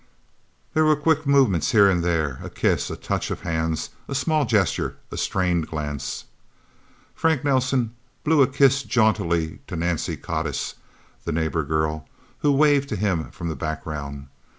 There were quick movements here and there a kiss, a touch of hands, a small gesture, a strained glance. Frank Nelsen blew a kiss jauntily to Nance Codiss, the neighbor girl, who waved to him from the background.